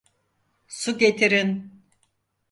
Su getirin!